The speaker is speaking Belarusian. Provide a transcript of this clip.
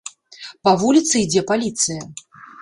Па вуліцы ідзе паліцыя!